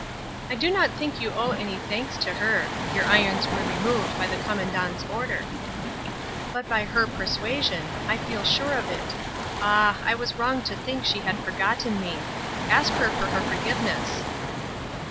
"I do not think you owe any thanks to her. Your irons were removed by the Commandant's order." "But by her persuasion. I feel sure of it. Ah, I was wrong to think she had forgotten me. Ask her for her forgiveness."